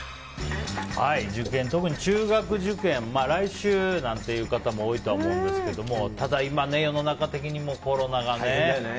受験、特に中学受験来週なんていう方も多いとは思いますけどただ、今は世の中的にもコロナがね。